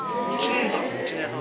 １年半。